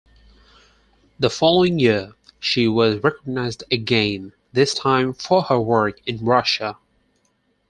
The following year, she was recognized again, this time for her work in Russia.